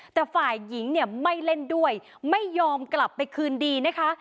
แต่ฝ่ายหญิงเนี่ยไม่เล่นด้วยไม่ยอมกลับไปคืนดีนะคะ